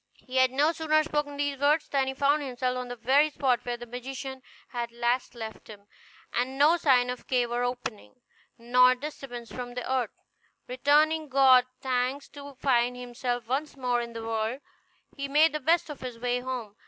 He had no sooner spoken these words than he found himself on the very spot where the magician had last left him, and no sign of cave or opening, nor disturbance of the earth. Returning God thanks to find himself once more in the world, he made the best of his way home.